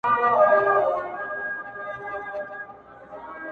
اوس يې ياري كومه ياره مـي ده ـ